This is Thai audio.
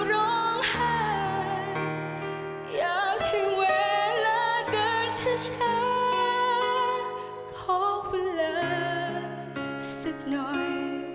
น้ำเท่านั้นก่อนจะกัน